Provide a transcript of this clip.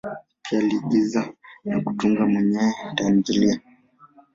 Pia aliigiza na kutunga mwenyewe tamthilia.